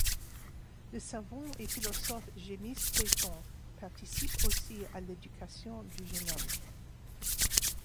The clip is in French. Le savant et philosophe Gemiste Pléthon participe aussi à l'éducation du jeune homme.